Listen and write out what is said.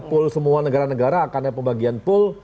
pool semua negara negara akan ada pembagian pool